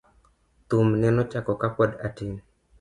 Thum nena chako ka pod atin.